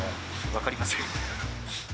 分かりません。